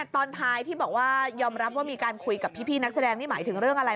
ตอนท้ายที่บอกว่ายอมรับว่ามีการคุยกับพี่นักแสดงนี่หมายถึงเรื่องอะไร